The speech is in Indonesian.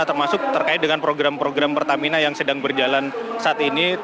termasuk terkait dengan program program pertamina yang sedang berjalan saat ini